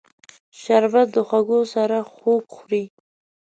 شربت د خوږو سره خوږ خوري